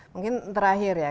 mungkin terakhir ya